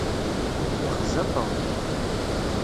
Yexza Tom.